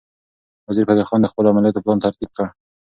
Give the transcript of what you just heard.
وزیرفتح خان د خپلو عملیاتو پلان ترتیب کړ.